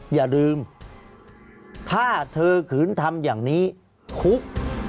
อย่าลืมถ้าเธอขืนทำอย่างนี้ทุกข์